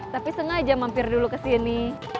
tapi sengaja mampir dulu kesini